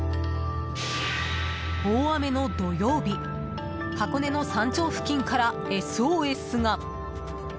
大雨の土曜日箱根の山頂付近からＳＯＳが。